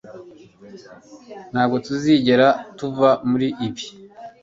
Ntabwo tuzigera tuva muri ibi